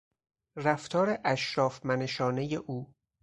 رفتار اشراف منشانهی او